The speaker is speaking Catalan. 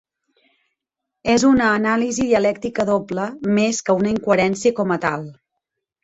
És una anàlisi dialèctica doble, més que una incoherència com a tal.